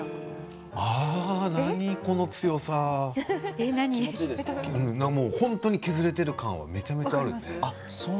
ああ、何これ、この強さ本当に削れている感じがめちゃめちゃある。